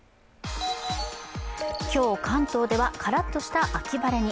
今日関東ではからっとした秋晴れに。